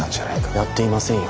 やっていませんよ。